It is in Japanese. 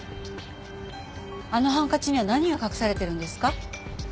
あのハンカチには何が隠されてるんですか？